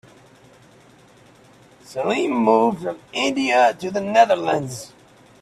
Salim moved from India to the Netherlands.